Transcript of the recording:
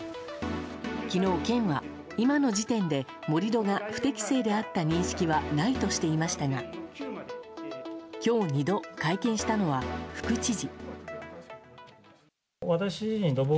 昨日、県は今の時点で盛り土が不適正であった認識はないとしていましたが今日、２度会見したのは副知事。